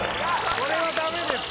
これはダメです・